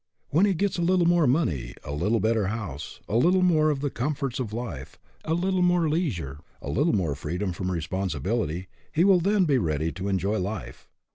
When he gets a little more money, a little better house, a little more of the comforts of life, a little more leisure, a little more freedom from responsibility, he will then be ready to enjoy life.